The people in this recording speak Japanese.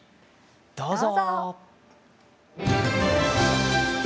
どうぞ！